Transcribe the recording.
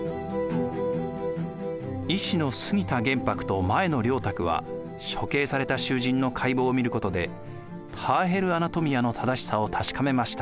医師の杉田玄白と前野良沢は処刑された囚人の解剖を見ることで「ターヘル・アナトミア」の正しさを確かめました。